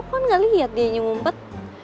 kan gak liat dia nyungumpet